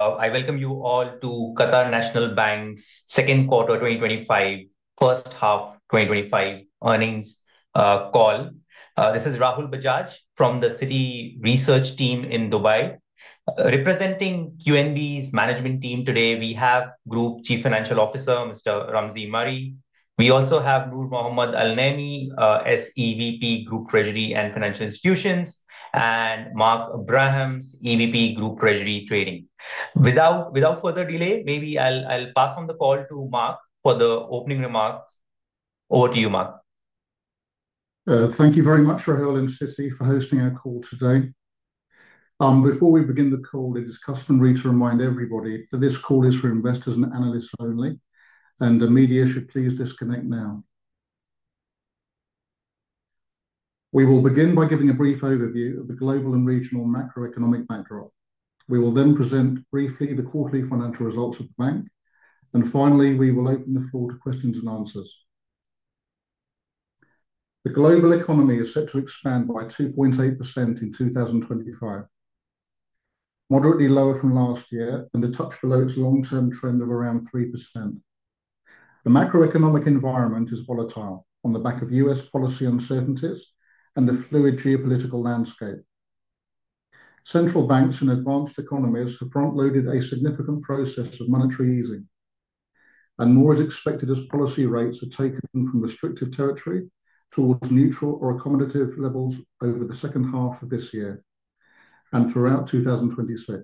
I welcome you all to Qatar National Bank's second quarter 2025, first half 2025 earnings call. This is Rahul Bajaj from the Citi Research Team in Dubai. Representing QNB's management team today, we have Group Chief Financial Officer Mr. Ramzi Mari. We also have Noor Mohammad Al-Naimi, SEVP Group Treasury and Financial Institutions, and Mark Abrahams, EVP Group Treasury Trading. Without further delay, maybe I'll pass on the call to Mark for the opening remarks. Over to you, Mark. Thank you very much, Rahul and Citi, for hosting our call today. Before we begin the call, it is customary to remind everybody that this call is for investors and analysts only, and the media should please disconnect now. We will begin by giving a brief overview of the global and regional macroeconomic backdrop. We will then present briefly the quarterly financial results of the bank, and finally, we will open the floor to questions and answers. The global economy is set to expand by 2.8% in 2025, moderately lower from last year and a touch below its long-term trend of around 3%. The macroeconomic environment is volatile on the back of U.S. policy uncertainties and a fluid geopolitical landscape. Central banks in advanced economies have frontloaded a significant process of monetary easing. More is expected as policy rates are taken from restrictive territory towards neutral or accommodative levels over the second half of this year and throughout 2026.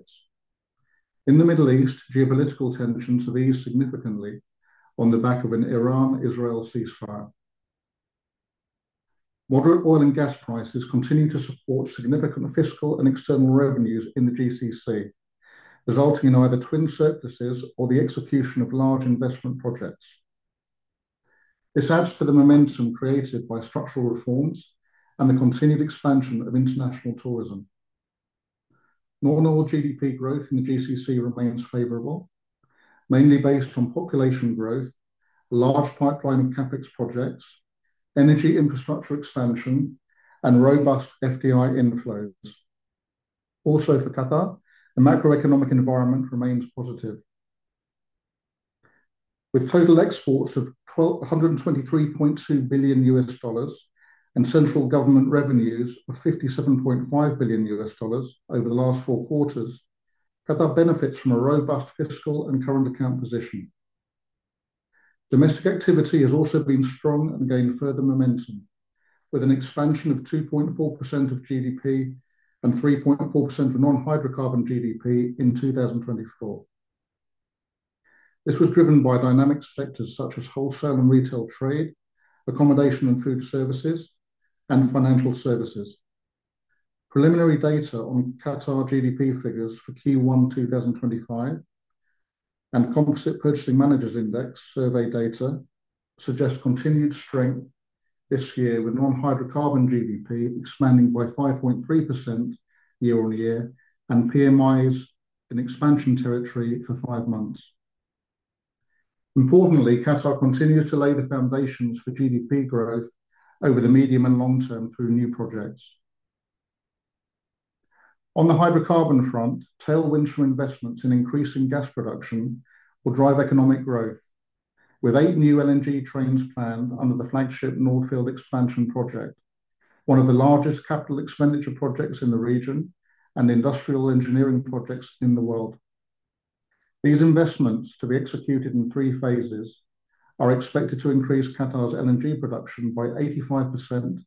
In the Middle East, geopolitical tensions have eased significantly on the back of an Iran-Israel ceasefire. Moderate oil and gas prices continue to support significant fiscal and external revenues in the GCC, resulting in either twin surpluses or the execution of large investment projects. This adds to the momentum created by structural reforms and the continued expansion of international tourism. Normal GDP growth in the GCC remains favorable, mainly based on population growth, a large pipeline of CapEx projects, energy infrastructure expansion, and robust FDI inflows. Also, for Qatar, the macroeconomic environment remains positive. With total exports of $123.2 billion and central government revenues of $57.5 billion over the last four quarters, Qatar benefits from a robust fiscal and current account position. Domestic activity has also been strong and gained further momentum, with an expansion of 2.4% of GDP and 3.4% of non-hydrocarbon GDP in 2024. This was driven by dynamic sectors such as wholesale and retail trade, accommodation and food services, and financial services. Preliminary data on Qatar GDP figures for Q1 2025. Composite Purchasing Managers Index survey data suggest continued strength this year, with non-hydrocarbon GDP expanding by 5.3% year on year and PMIs in expansion territory for five months. Importantly, Qatar continues to lay the foundations for GDP growth over the medium and long term through new projects. On the hydrocarbon front, tailwinds from investments in increasing gas production will drive economic growth, with eight new LNG trains planned under the flagship North Field expansion project, one of the largest capital expenditure projects in the region and industrial engineering projects in the world. These investments, to be executed in three phases, are expected to increase Qatar's LNG production by 85%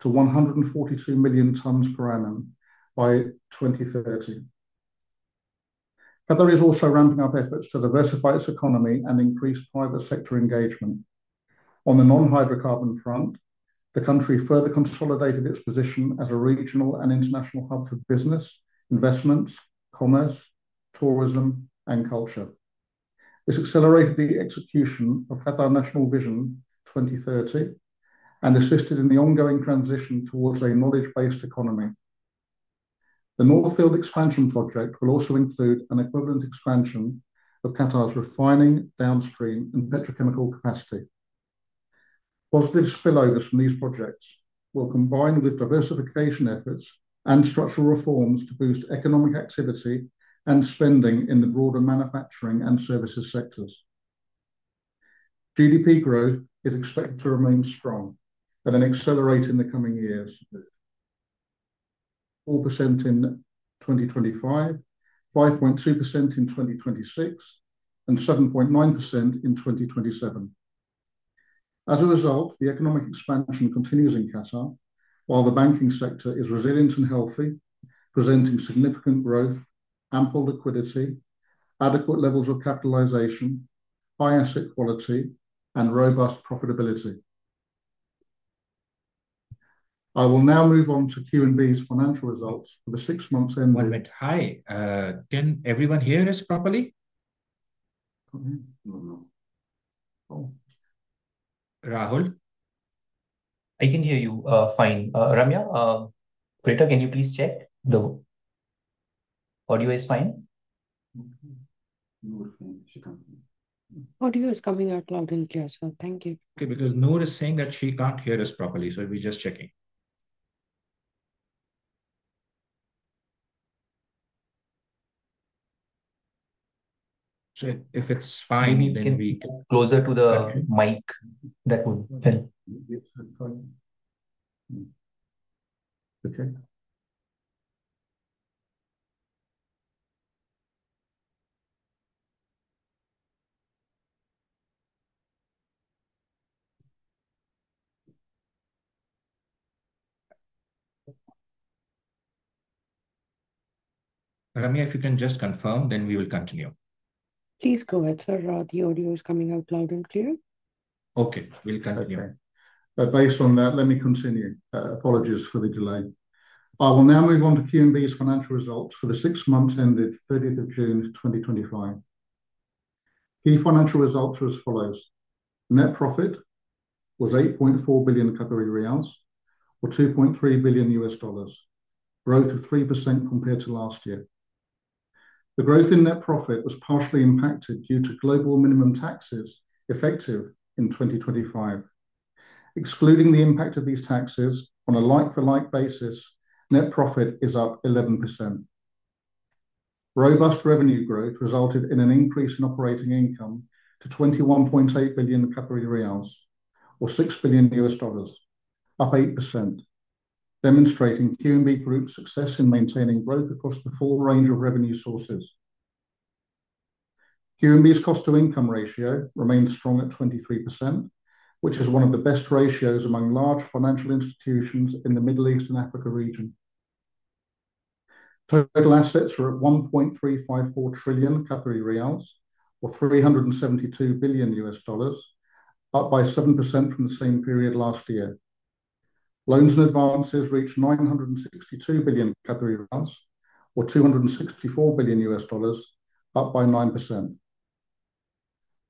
to 142 million tons per annum by 2030. Qatar is also ramping up efforts to diversify its economy and increase private sector engagement. On the non-hydrocarbon front, the country further consolidated its position as a regional and international hub for business, investments, commerce, tourism, and culture. This accelerated the execution of Qatar National Vision 2030 and assisted in the ongoing transition towards a knowledge-based economy. The North Field expansion project will also include an equivalent expansion of Qatar's refining, downstream, and petrochemical capacity. Positive spillovers from these projects will combine with diversification efforts and structural reforms to boost economic activity and spending in the broader manufacturing and services sectors. GDP growth is expected to remain strong and then accelerate in the coming years. 4% in 2025, 5.2% in 2026, and 7.9% in 2027. As a result, the economic expansion continues in Qatar, while the banking sector is resilient and healthy, presenting significant growth, ample liquidity, adequate levels of capitalization, high asset quality, and robust profitability. I will now move on to QNB's financial results for the six months end. One minute. Hi. Can everyone hear us properly? Rahul. I can hear you fine. Ramya, Greta, can you please check the audio is fine? Audio is coming out loud and clear as well. Thank you. Okay, because Noor is saying that she can't hear us properly, so we're just checking. If it's fine, then we can. Closer to the mic. That would help. Okay. Ramya, if you can just confirm, then we will continue. Please go ahead, sir. The audio is coming out loud and clear. Okay, we'll continue. Okay. Based on that, let me continue. Apologies for the delay. I will now move on to QNB's financial results for the six months ended 30th of June 2025. Key financial results are as follows. Net profit was 8.4 billion Qatari riyals, or $2.3 billion, growth of 3% compared to last year. The growth in net profit was partially impacted due to global minimum taxes effective in 2025. Excluding the impact of these taxes on a like-for-like basis, net profit is up 11%. Robust revenue growth resulted in an increase in operating income to 21.8 billion, or $6 billion, up 8%. Demonstrating QNB Group's success in maintaining growth across the full range of revenue sources. QNB's cost-to-income ratio remained strong at 23%, which is one of the best ratios among large financial institutions in the Middle East and Africa region. Total assets are at 1.354 trillion Qatari riyals, or $372 billion, up by 7% from the same period last year. Loans and advances reach QAR 962 billion, or $264 billion, up by 9%.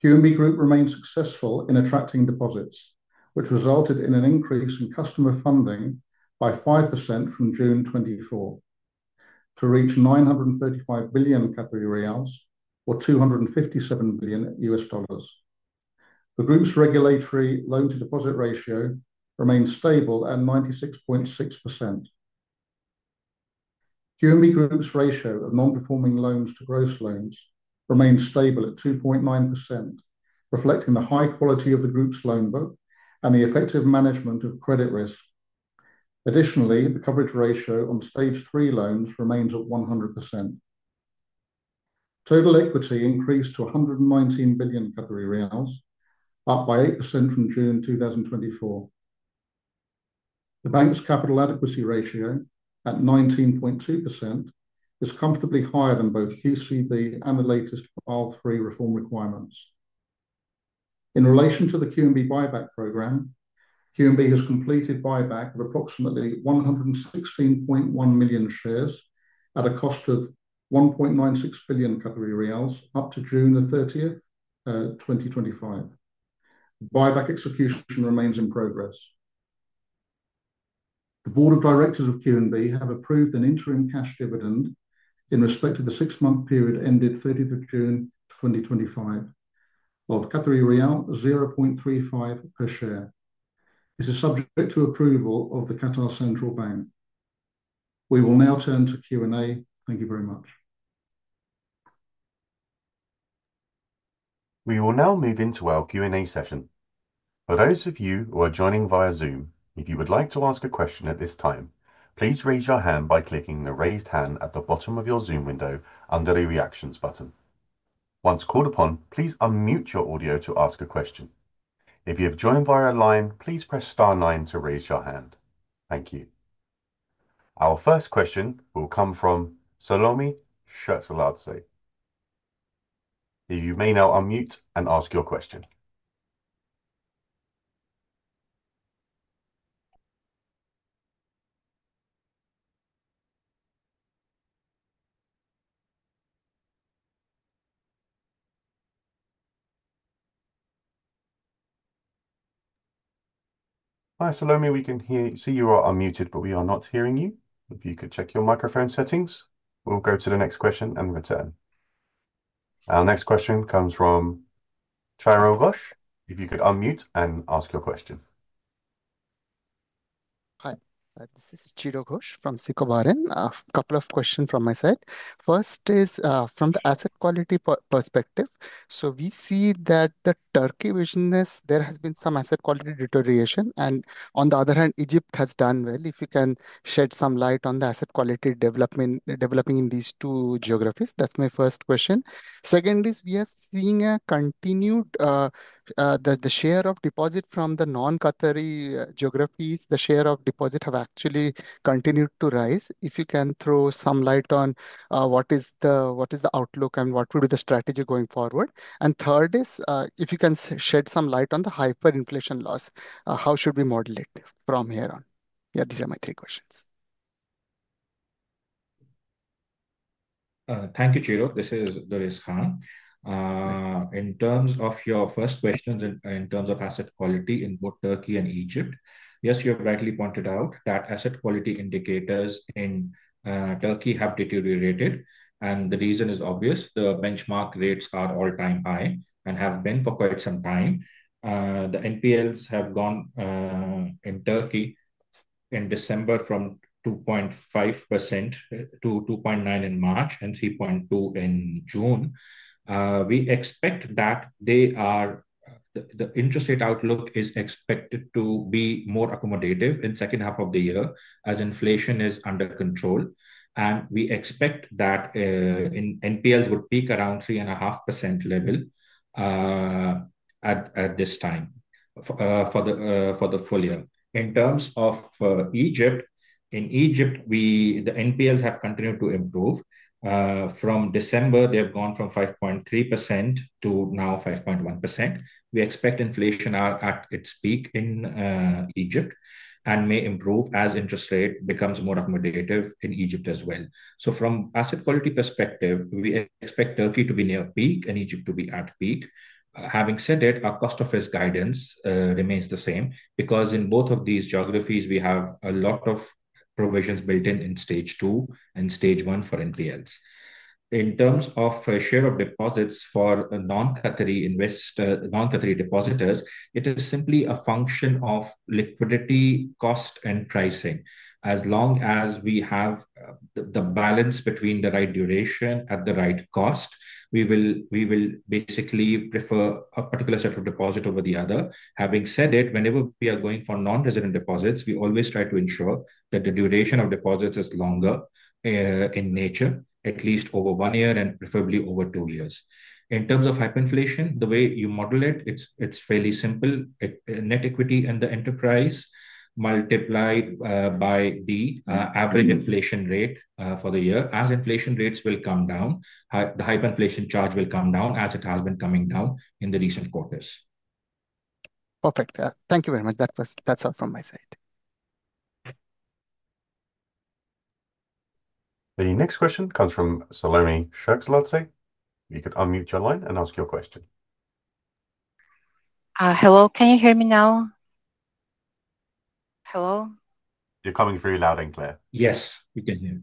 QNB Group remained successful in attracting deposits, which resulted in an increase in customer funding by 5% from June 2024 to reach 935 billion Qatari riyals, or $257 billion. The group's regulatory loan-to-deposit ratio remained stable at 96.6%. QNB Group's ratio of non-performing loans to gross loans remained stable at 2.9%, reflecting the high quality of the group's loan book and the effective management of credit risk. Additionally, the coverage ratio on stage three loans remains at 100%. Total equity increased to 119 billion Qatari riyals, up by 8% from June 2024. The bank's capital adequacy ratio at 19.2% is comfortably higher than both QCB and the latest R3 reform requirements. In relation to the QNB buyback program, QNB has completed buyback of approximately 116.1 million shares at a cost of 1.96 billion Qatari riyals up to June 30th, 2025. Buyback execution remains in progress. The board of directors of QNB have approved an interim cash dividend in respect to the six-month period ended 30th of June 2025 of riyal 0.35 per share. This is subject to approval of the Qatar Central Bank. We will now turn to Q&A. Thank you very much. We will now move into our Q&A session. For those of you who are joining via Zoom, if you would like to ask a question at this time, please raise your hand by clicking the raised hand at the bottom of your Zoom window under the reactions button. Once called upon, please unmute your audio to ask a question. If you have joined via line, please press star nine to raise your hand. Thank you. Our first question will come from Salome Scherkadze. You may now unmute and ask your question. Hi, Salome. We can see you are unmuted, but we are not hearing you. If you could check your microphone settings, we'll go to the next question and return. Our next question comes from Chiro Ghosh. If you could unmute and ask your question. Hi, this is Chiro Ghosh from SICO Bahrain. A couple of questions from my side. First is from the asset quality perspective. We see that the Turkey division, there has been some asset quality deterioration. On the other hand, Egypt has done well. If you can shed some light on the asset quality development in these two geographies, that's my first question. Second is we are seeing a continued, the share of deposit from the non-Qatari geographies, the share of deposit has actually continued to rise. If you can throw some light on what is the outlook and what would be the strategy going forward. Third is if you can shed some light on the hyperinflation loss, how should we model it from here on. Yeah, these are my three questions. Thank you, Chiro. This is Durraiz Khan. In terms of your first question, in terms of asset quality in both Turkey and Egypt, yes, you have rightly pointed out that asset quality indicators in Turkey have deteriorated. The reason is obvious. The benchmark rates are all-time high and have been for quite some time. The NPLs have gone in Turkey in December from 2.5% to 2.9% in March and 3.2% in June. We expect that the interest rate outlook is expected to be more accommodative in the second half of the year as inflation is under control. We expect that NPLs would peak around 3.5% level at this time for the full year. In terms of Egypt, in Egypt, the NPLs have continued to improve. From December, they have gone from 5.3% to now 5.1%. We expect inflation is at its peak in Egypt and may improve as interest rate becomes more accommodative in Egypt as well. From an asset quality perspective, we expect Turkey to be near peak and Egypt to be at peak. Having said that, our cost of risk guidance remains the same because in both of these geographies, we have a lot of provisions built in in stage two and stage one for NPLs. In terms of share of deposits for non-Qatari depositors, it is simply a function of liquidity, cost, and pricing. As long as we have the balance between the right duration at the right cost, we will basically prefer a particular set of deposits over the other. Having said that, whenever we are going for non-resident deposits, we always try to ensure that the duration of deposits is longer. In nature, at least over one year and preferably over two years. In terms of hyperinflation, the way you model it, it's fairly simple. Net equity and the enterprise multiplied by the average inflation rate for the year. As inflation rates will come down, the hyperinflation charge will come down as it has been coming down in the recent quarters. Perfect. Thank you very much. That's all from my side. The next question comes from Salome Scherkadze. You could unmute your line and ask your question. Hello. Can you hear me now? Hello? You're coming through loud and clear. Yes, we can hear you.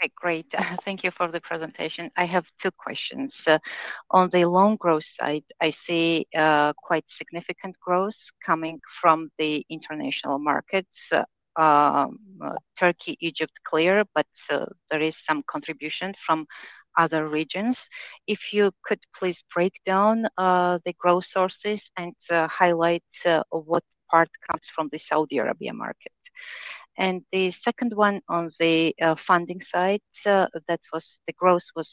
Okay, great. Thank you for the presentation. I have two questions. On the loan growth side, I see quite significant growth coming from the international markets. Turkey, Egypt clear, but there is some contribution from other regions. If you could please break down the growth sources and highlight what part comes from the Saudi Arabia market. The second one on the funding side, the growth was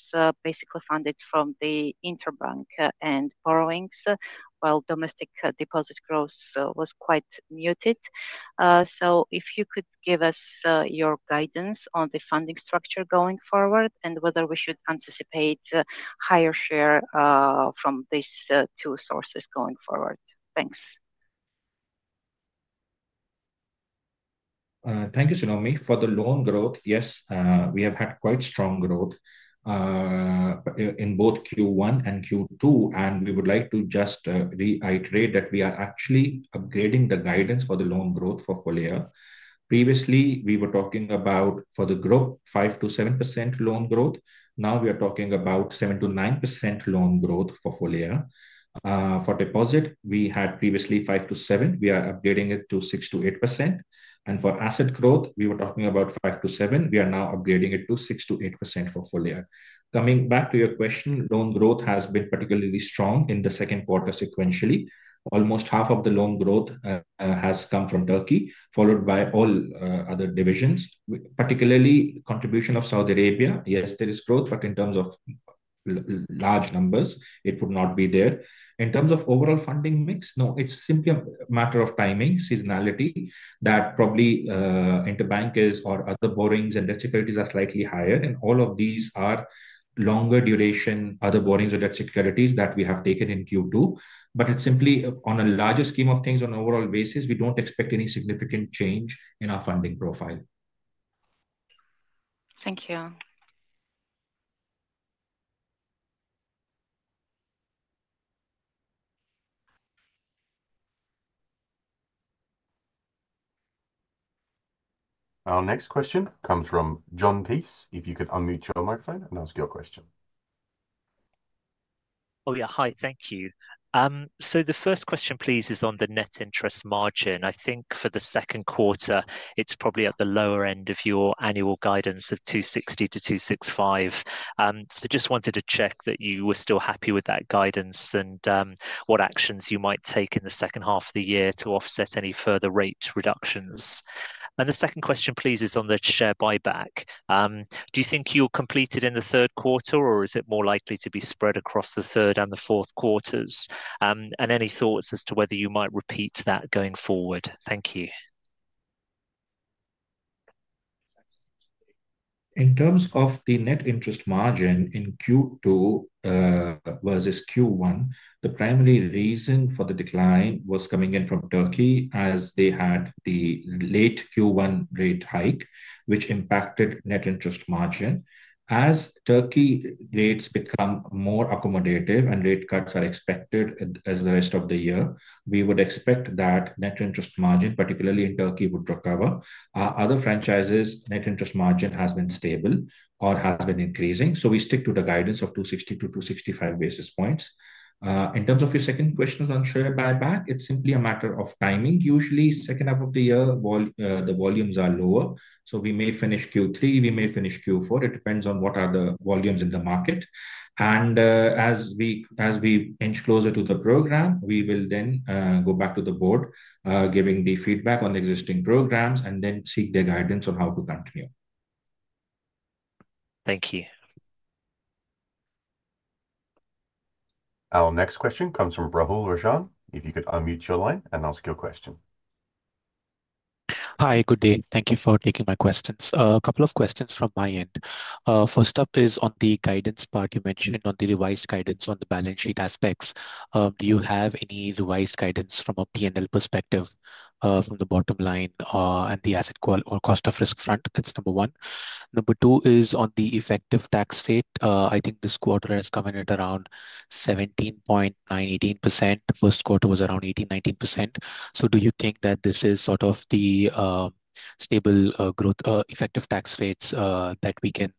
basically funded from the interbank and borrowings, while domestic deposit growth was quite muted. If you could give us your guidance on the funding structure going forward and whether we should anticipate higher share from these two sources going forward. Thanks. Thank you, Salome. For the loan growth, yes, we have had quite strong growth. In both Q1 and Q2, and we would like to just reiterate that we are actually upgrading the guidance for the loan growth for the group. Previously, we were talking about 5%-7% loan growth. Now we are talking about 7%-9% loan growth for the group. For deposit, we had previously 5%-7%. We are upgrading it to 6%-8%. And for asset growth, we were talking about 5%-7%. We are now upgrading it to 6%-8% for full year. Coming back to your question, loan growth has been particularly strong in the second quarter sequentially. Almost half of the loan growth has come from Turkey, followed by all other divisions, particularly contribution of Saudi Arabia. Yes, there is growth, but in terms of. Large numbers, it would not be there. In terms of overall funding mix, no, it's simply a matter of timing, seasonality that probably interbank or other borrowings and debt securities are slightly higher. All of these are longer duration other borrowings or debt securities that we have taken in Q2. It's simply on a larger scheme of things, on an overall basis, we don't expect any significant change in our funding profile. Thank you. Our next question comes from John Peace. If you could unmute your microphone and ask your question. Oh, yeah. Hi, thank you. The first question, please, is on the net interest margin. I think for the second quarter, it's probably at the lower end of your annual guidance of 260-265. I just wanted to check that you were still happy with that guidance and what actions you might take in the second half of the year to offset any further rate reductions. The second question, please, is on the share buyback. Do you think you'll complete it in the third quarter, or is it more likely to be spread across the third and the fourth quarters? Any thoughts as to whether you might repeat that going forward? Thank you. In terms of the net interest margin in Q2 versus Q1, the primary reason for the decline was coming in from Turkey as they had the late Q1 rate hike, which impacted net interest margin. As Turkey rates become more accommodative and rate cuts are expected as the rest of the year, we would expect that net interest margin, particularly in Turkey, would recover. Other franchises, net interest margin has been stable or has been increasing. We stick to the guidance of 260-265 basis points. In terms of your second question on share buyback, it is simply a matter of timing. Usually, second half of the year, the volumes are lower. We may finish Q3, we may finish Q4. It depends on what are the volumes in the market. As we inch closer to the program, we will then go back to the board, giving the feedback on the existing programs and then seek their guidance on how to continue. Thank you. Our next question comes from Rahul Rajan. If you could unmute your line and ask your question. Hi, good day. Thank you for taking my questions. A couple of questions from my end. First up is on the guidance part you mentioned on the revised guidance on the balance sheet aspects. Do you have any revised guidance from a P&L perspective from the bottom line and the asset or cost of risk front? That's number one. Number two is on the effective tax rate. I think this quarter has come in at around 17.9%, 18%. The first quarter was around 18%, 19%. Do you think that this is sort of the stable growth, effective tax rates that we can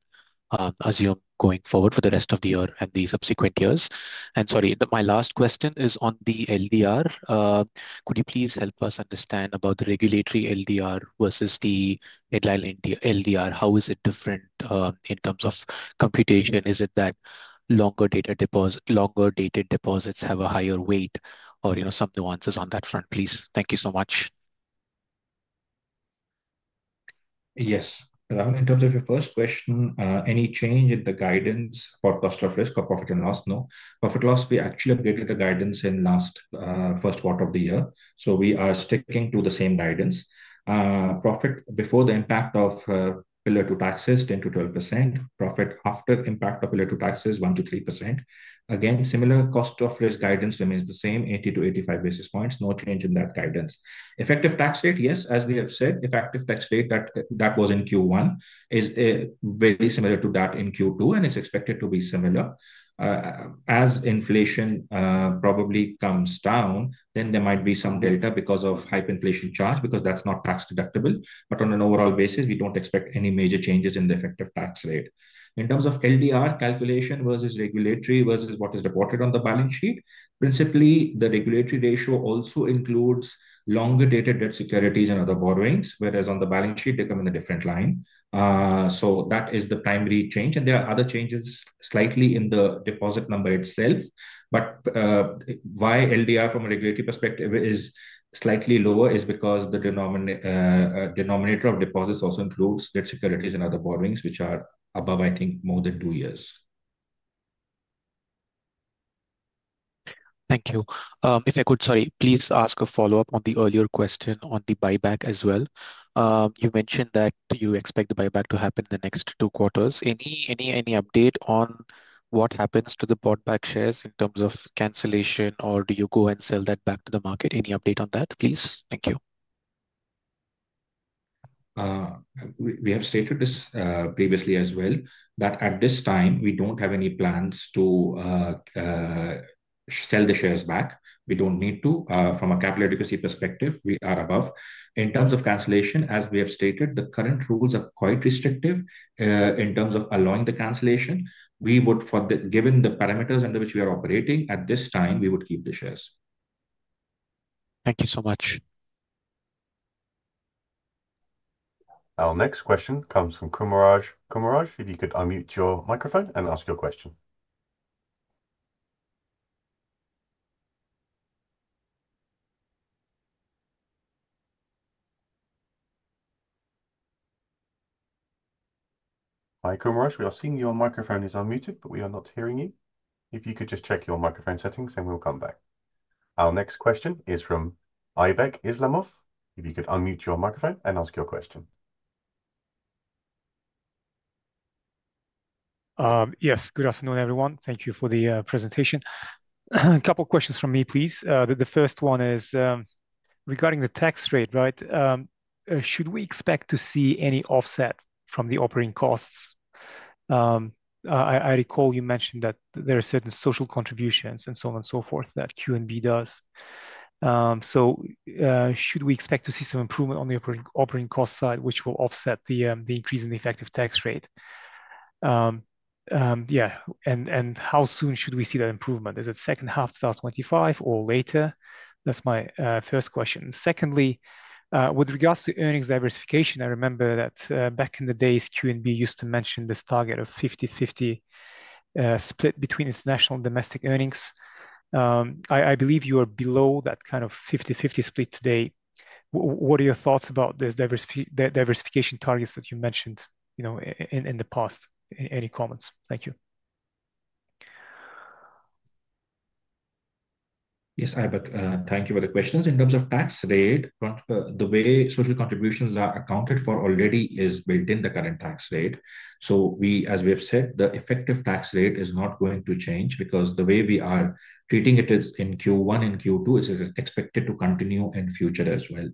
assume going forward for the rest of the year and the subsequent years? Sorry, my last question is on the LDR. Could you please help us understand about the regulatory LDR versus the LDR? How is it different in terms of computation? Is it that longer dated deposits have a higher weight or some nuances on that front, please? Thank you so much. Yes. In terms of your first question, any change in the guidance for cost of risk or profit and loss? No. Profit and loss, we actually upgraded the guidance in the last first quarter of the year. We are sticking to the same guidance. Profit before the impact of Pillar Two Taxes, 10%-12%. Profit after impact of Pillar Two Taxes, 1%-3%. Again, similar cost of risk guidance remains the same, 80-85 basis points. No change in that guidance. Effective tax rate, yes, as we have said, effective tax rate that was in Q1 is very similar to that in Q2, and it is expected to be similar. As inflation probably comes down, there might be some delta because of hyperinflation charge because that is not tax deductible. On an overall basis, we do not expect any major changes in the effective tax rate. In terms of LDR calculation versus regulatory versus what is reported on the balance sheet, principally, the regulatory ratio also includes longer dated debt securities and other borrowings, whereas on the balance sheet, they come in a different line. That is the primary change. There are other changes slightly in the deposit number itself. Why LDR from a regulatory perspective is slightly lower is because the denominator of deposits also includes debt securities and other borrowings, which are above, I think, more than two years. Thank you. If I could, sorry, please ask a follow-up on the earlier question on the buyback as well. You mentioned that you expect the buyback to happen in the next two quarters. Any update on what happens to the bought back shares in terms of cancellation, or do you go and sell that back to the market? Any update on that, please? Thank you. We have stated this previously as well, that at this time, we do not have any plans to sell the shares back. We do not need to. From a capital adequacy perspective, we are above. In terms of cancellation, as we have stated, the current rules are quite restrictive in terms of allowing the cancellation. We would, given the parameters under which we are operating at this time, we would keep the shares. Thank you so much. Our next question comes from Kumaraj. Kumaraj, if you could unmute your microphone and ask your question. Hi, Kumaraj. We are seeing your microphone is unmuted, but we are not hearing you. If you could just check your microphone settings, and we'll come back. Our next question is from Ibek Islamov. If you could unmute your microphone and ask your question. Yes, good afternoon, everyone. Thank you for the presentation. A couple of questions from me, please. The first one is regarding the tax rate, right? Should we expect to see any offset from the operating costs? I recall you mentioned that there are certain social contributions and so on and so forth that QNB does. Should we expect to see some improvement on the operating cost side, which will offset the increase in the effective tax rate? Yeah. And how soon should we see that improvement? Is it second half 2025 or later? That's my first question. Secondly, with regards to earnings diversification, I remember that back in the days, QNB used to mention this target of 50/50 split between international and domestic earnings. I believe you are below that kind of 50/50 split today. What are your thoughts about this diversification targets that you mentioned in the past? Any comments? Thank you. Yes, I'm back. Thank you for the questions. In terms of tax rate, the way social contributions are accounted for already is built in the current tax rate. As we have said, the effective tax rate is not going to change because the way we are treating it in Q1 and Q2 is expected to continue in future as well.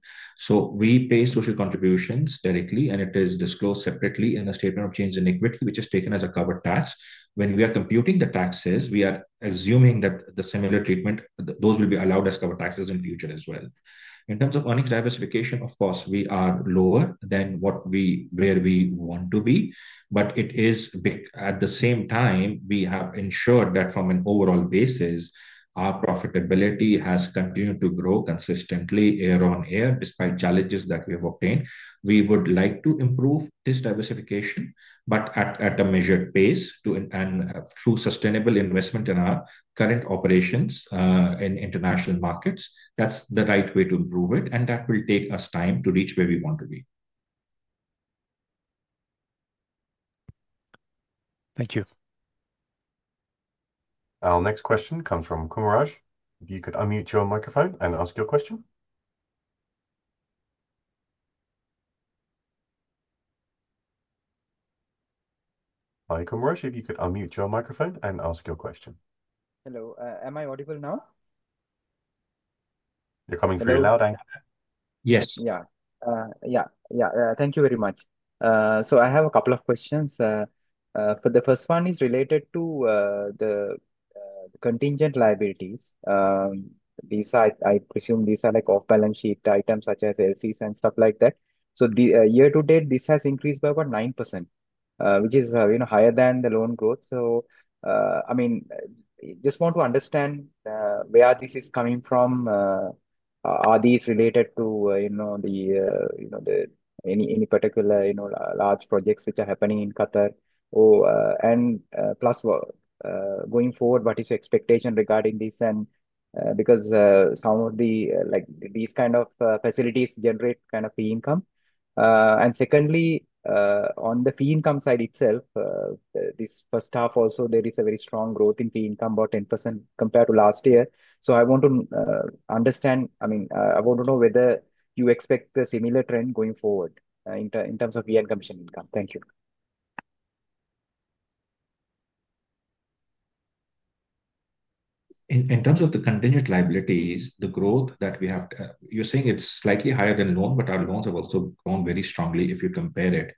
We pay social contributions directly, and it is disclosed separately in a statement of change in equity, which is taken as a covered tax. When we are computing the taxes, we are assuming that the similar treatment, those will be allowed as covered taxes in future as well. In terms of earnings diversification, of course, we are lower than what we want to be. It is big. At the same time, we have ensured that from an overall basis, our profitability has continued to grow consistently year on year, despite challenges that we have obtained. We would like to improve this diversification, but at a measured pace and through sustainable investment in our current operations in international markets. That is the right way to improve it, and that will take us time to reach where we want to be. Thank you. Our next question comes from Kumaraj. If you could unmute your microphone and ask your question. Hi, Kumaraj. If you could unmute your microphone and ask your question. Hello. Am I audible now? You're coming through loud. Yes. Yeah. Thank you very much. I have a couple of questions. The first one is related to the contingent liabilities. These, I presume, are like off-balance sheet items such as LCs and stuff like that. Year to date, this has increased by about 9%, which is higher than the loan growth. I just want to understand where this is coming from. Are these related to any particular large projects which are happening in Qatar? Plus, going forward, what is your expectation regarding this? Some of these kind of facilities generate kind of fee income. Secondly, on the fee income side itself, this first half, also, there is a very strong growth in fee income, about 10% compared to last year. I want to understand, I mean, I want to know whether you expect a similar trend going forward in terms of year-end commission income. Thank you. In terms of the contingent liabilities, the growth that we have, you're saying it's slightly higher than loans, but our loans have also grown very strongly if you compare it.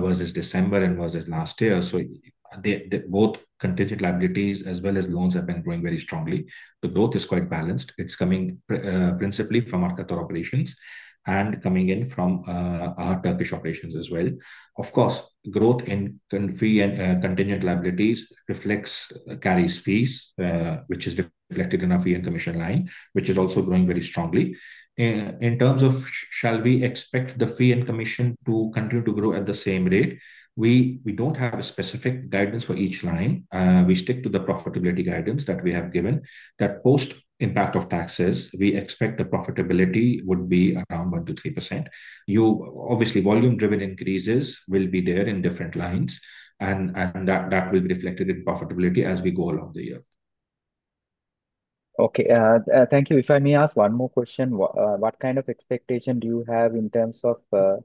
Versus December and versus last year. Both contingent liabilities as well as loans have been growing very strongly. The growth is quite balanced. It's coming principally from our Qatar operations and coming in from our Turkish operations as well. Of course, growth in fee and contingent liabilities carries fees, which is reflected in our fee and commission line, which is also growing very strongly. In terms of shall we expect the fee and commission to continue to grow at the same rate? We don't have a specific guidance for each line. We stick to the profitability guidance that we have given. That post-impact of taxes, we expect the profitability would be around 1%-3%. Obviously, volume-driven increases will be there in different lines. That will be reflected in profitability as we go along the year. Okay. Thank you. If I may ask one more question, what kind of expectation do you have in terms of the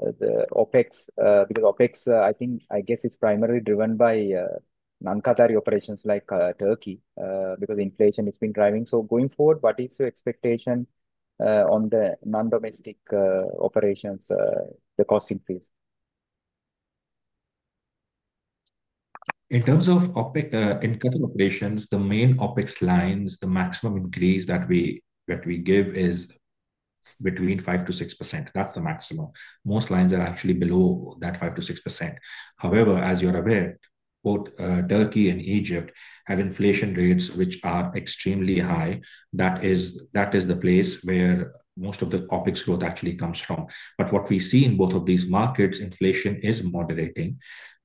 OpEx? Because OpEx, I think, I guess it's primarily driven by non-Qatari operations like Turkey because inflation has been driving. Going forward, what is your expectation on the non-domestic operations, the cost increase? In terms of Qatar operations, the main OpEx lines, the maximum increase that we give is between 5%-6%. That's the maximum. Most lines are actually below that 5%-6%. However, as you're aware, both Turkey and Egypt have inflation rates which are extremely high. That is the place where most of the OpEx growth actually comes from. What we see in both of these markets, inflation is moderating.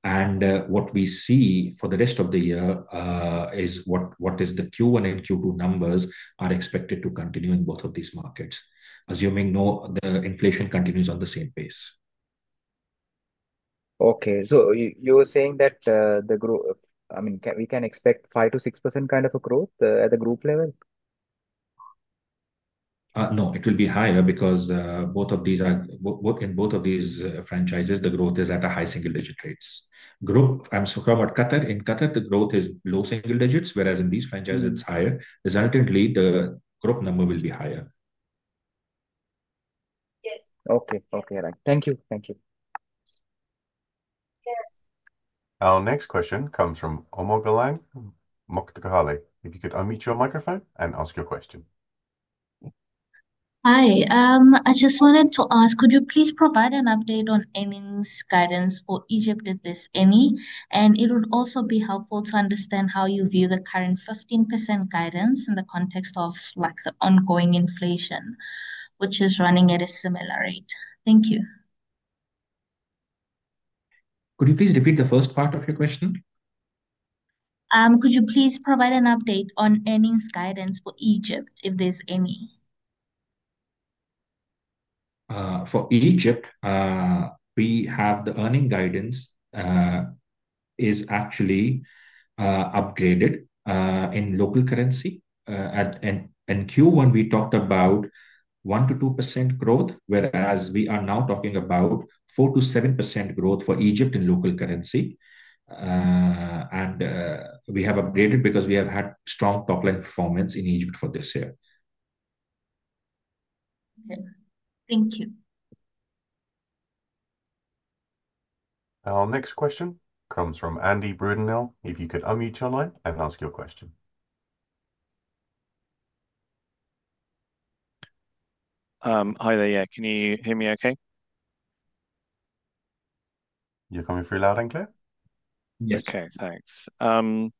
What we see for the rest of the year is what the Q1 and Q2 numbers are expected to continue in both of these markets, assuming the inflation continues on the same pace. Okay. So you're saying that the. I mean, we can expect 5%-6% kind of a growth at the group level? No, it will be higher because in both of these franchises, the growth is at high single-digit rates. I'm talking about Qatar. In Qatar, the growth is low single digits, whereas in these franchises, it's higher. Resultantly, the group number will be higher. Yes. Okay. Right. Thank you. Our next question comes from Omolola Mokhtari. If you could unmute your microphone and ask your question. Hi. I just wanted to ask, could you please provide an update on earnings guidance for Egypt if there's any? It would also be helpful to understand how you view the current 15% guidance in the context of the ongoing inflation, which is running at a similar rate. Thank you. Could you please repeat the first part of your question? Could you please provide an update on earnings guidance for Egypt, if there's any? For Egypt. We have the earning guidance. Is actually. Upgraded in local currency. In Q1, we talked about. 1%-2% growth, whereas we are now talking about 4%-7% growth for Egypt in local currency. We have upgraded because we have had strong top-line performance in Egypt for this year. Okay. Thank you. Our next question comes from Andy Brudenell. If you could unmute your line and ask your question. Hi there. Yeah. Can you hear me okay? You're coming through loud and clear. Yes. Okay. Thanks. No,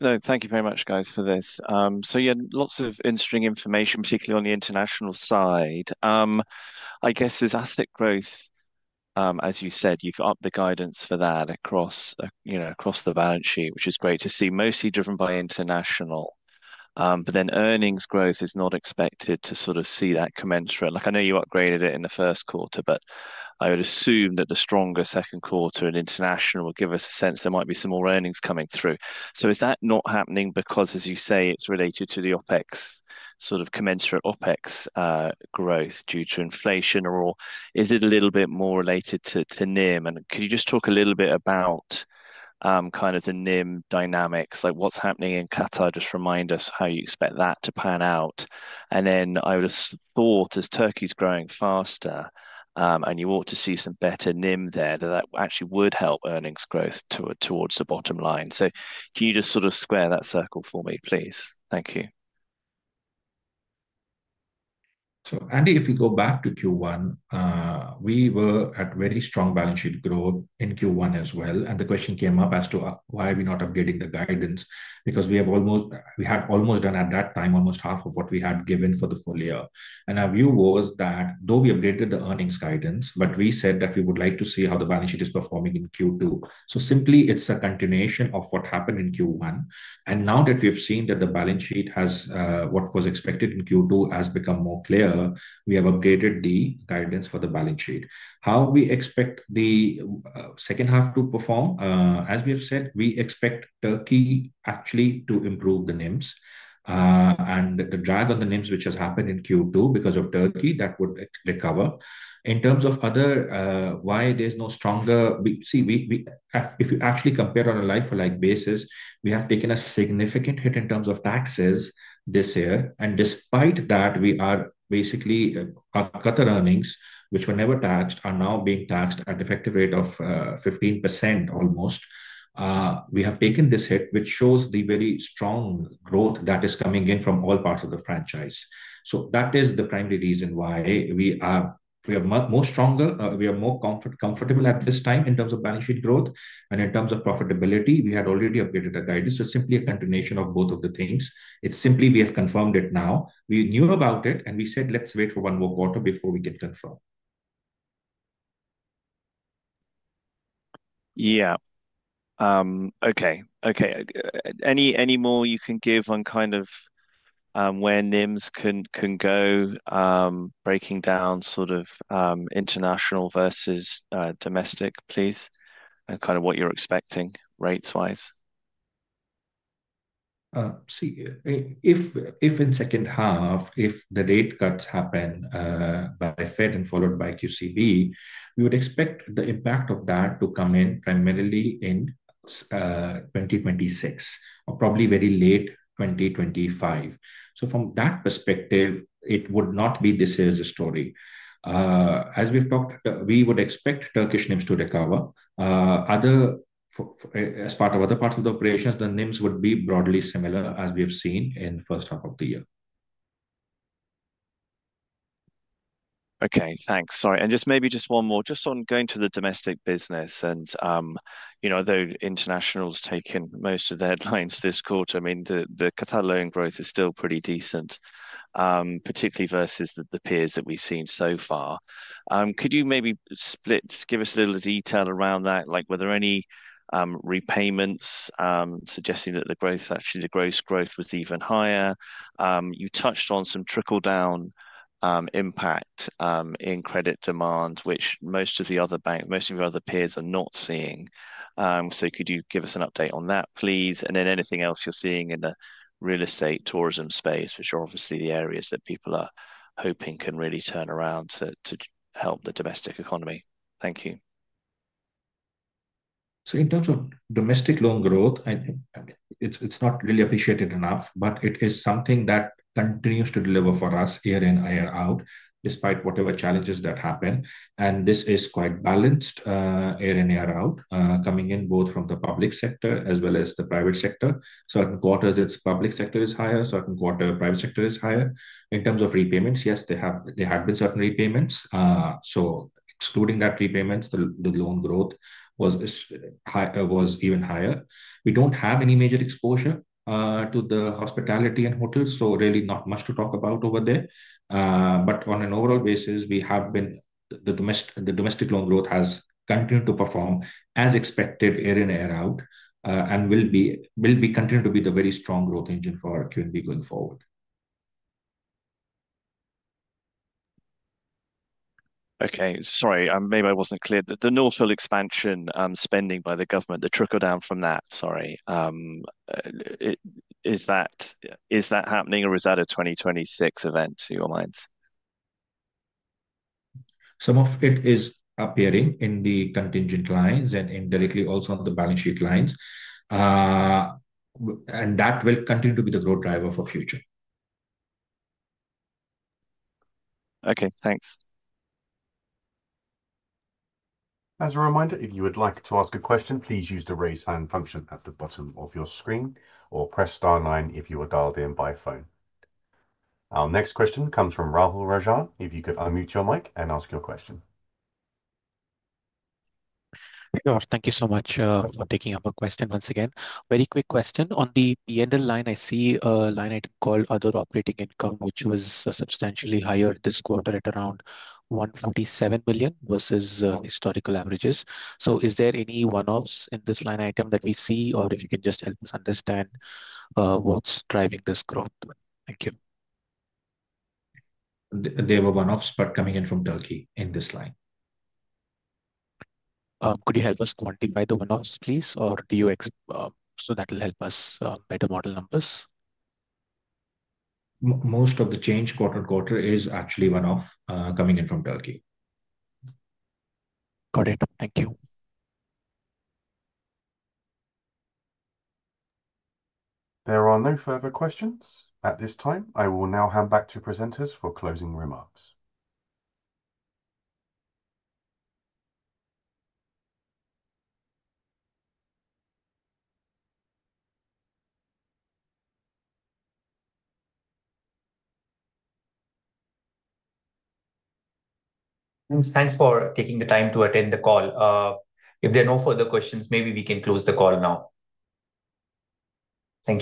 thank you very much, guys, for this. So yeah, lots of interesting information, particularly on the international side. I guess as asset growth. As you said, you've upped the guidance for that across the balance sheet, which is great to see, mostly driven by international. But then earnings growth is not expected to sort of see that commensurate. I know you upgraded it in the first quarter, but I would assume that the stronger second quarter in international will give us a sense there might be some more earnings coming through. Is that not happening because, as you say, it's related to the sort of commensurate OpEx growth due to inflation? Or is it a little bit more related to NIM? Could you just talk a little bit about kind of the NIM dynamics? What's happening in Qatar? Just remind us how you expect that to pan out. I would have thought, as Turkey's growing faster and you ought to see some better NIM there, that that actually would help earnings growth towards the bottom line. Can you just sort of square that circle for me, please? Thank you. If we go back to Q1, we were at very strong balance sheet growth in Q1 as well. The question came up as to why are we not updating the guidance, because we had almost done at that time almost half of what we had given for the full year. Our view was that though we updated the earnings guidance, we said that we would like to see how the balance sheet is performing in Q2. Simply, it is a continuation of what happened in Q1. Now that we have seen that the balance sheet has what was expected in Q2 has become more clear, we have updated the guidance for the balance sheet. How we expect the second half to perform, as we have said, we expect Turkey actually to improve the NIMs. The drag on the NIMs, which has happened in Q2 because of Turkey, that would recover. In terms of other, why there is no stronger see, if you actually compare on a like-for-like basis, we have taken a significant hit in terms of taxes this year. Despite that, we are basically, our Qatar earnings, which were never taxed, are now being taxed at an effective rate of 15% almost. We have taken this hit, which shows the very strong growth that is coming in from all parts of the franchise. That is the primary reason why we are more stronger, we are more comfortable at this time in terms of balance sheet growth. In terms of profitability, we had already updated the guidance. It is simply a continuation of both of the things. It is simply we have confirmed it now. We knew about it, and we said, "Let's wait for one more quarter before we get confirmed. Yeah. Okay. Okay. Any more you can give on kind of where NIMs can go, breaking down sort of international versus domestic, please? And kind of what you're expecting rates-wise. See, if in second half, if the rate cuts happen by Fed and followed by QCB, we would expect the impact of that to come in primarily in 2026 or probably very late 2025. From that perspective, it would not be this year's story. As we've talked, we would expect Turkish NIMs to recover. As part of other parts of the operations, the NIMs would be broadly similar as we have seen in the first half of the year. Okay. Thanks. Sorry. Maybe just one more, just on going to the domestic business. Though international has taken most of the headlines this quarter, I mean, the Qatar loan growth is still pretty decent, particularly versus the peers that we've seen so far. Could you maybe give us a little detail around that? Were there any repayments suggesting that the growth, actually the gross growth, was even higher? You touched on some trickle-down impact in credit demand, which most of the other banks, most of your other peers are not seeing. Could you give us an update on that, please? Anything else you're seeing in the real estate tourism space, which are obviously the areas that people are hoping can really turn around to help the domestic economy? Thank you. In terms of domestic loan growth, I mean, it's not really appreciated enough, but it is something that continues to deliver for us year in, year out, despite whatever challenges that happen. This is quite balanced year in, year out, coming in both from the public sector as well as the private sector. Certain quarters, its public sector is higher. Certain quarter, private sector is higher. In terms of repayments, yes, there have been certain repayments. Excluding that repayments, the loan growth was even higher. We do not have any major exposure to the hospitality and hotels, so really not much to talk about over there. On an overall basis, the domestic loan growth has continued to perform as expected year in, year out, and will continue to be the very strong growth engine for QNB going forward. Okay. Sorry, maybe I wasn't clear. The North Field expansion spending by the government, the trickle-down from that, sorry. Is that happening, or is that a 2026 event, to your minds? Some of it is appearing in the contingent liabilities and indirectly also on the balance sheet lines. That will continue to be the growth driver for future. Okay. Thanks. As a reminder, if you would like to ask a question, please use the raise hand function at the bottom of your screen or press star nine if you are dialed in by phone. Our next question comes from Rahul Rajan. If you could unmute your mic and ask your question. Thank you so much for taking up a question once again. Very quick question. On the P&L line, I see a line item called other operating income, which was substantially higher this quarter at around 147 million versus historical averages. Is there any one-offs in this line item that we see, or if you can just help us understand. What's driving this growth? Thank you. There were one-offs, but coming in from Turkey in this line. Could you help us quantify the one-offs, please? Or do you—so that will help us better model numbers? Most of the change quarter-to-quarter is actually one-off coming in from Turkey. Got it. Thank you. There are no further questions at this time. I will now hand back to presenters for closing remarks. Thanks for taking the time to attend the call. If there are no further questions, maybe we can close the call now. Thank you.